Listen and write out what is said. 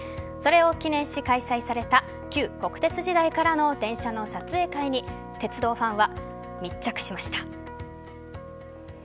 それを記念し開催された旧国鉄時代からの電車の撮影会に鉄道ファンは密着しました。